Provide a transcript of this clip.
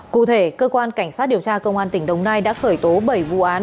cụ thể cơ quan cảnh sát điều tra công an tỉnh đồng nai đã khởi tố bảy vụ án